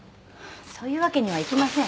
そういうわけにはいきません。